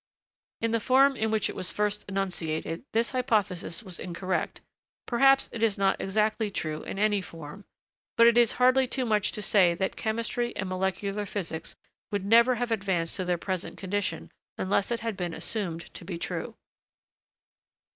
In the form in which it was first enunciated, this hypothesis was incorrect perhaps it is not exactly true in any form; but it is hardly too much to say that chemistry and molecular physics would never have advanced to their present condition unless it had been assumed to be true.